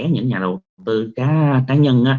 những nhà đầu tư cá nhân